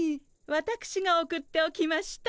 わたくしが送っておきました。